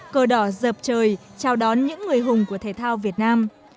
cờ đỏ dợp trời chào đón những người hùng của thể thao việt nam